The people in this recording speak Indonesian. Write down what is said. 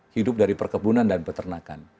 hidup dari perkebunan dan peternakan